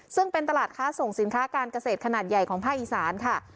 ซึ่งเป็นตลาดค้าส่งสินค้าการเกษตรขนาดใหญ่ของภาคอีสานค่ะ